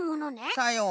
さよう。